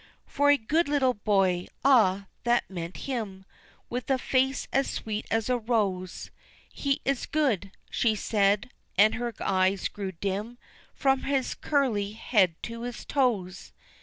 "For a good little boy," ah, that meant him, With a face as sweet as a rose, "He is good," she said, and her eyes grew dim, "From his curly head to his toes."